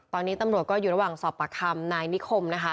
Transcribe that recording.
ตอนนี้ตำรวจก็อยู่ระหว่างสอบประคำนายนิคมนะคะ